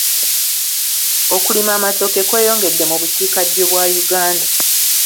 Okulima amatooke kweyongedde mu bukiikaddyo bwa Uganda.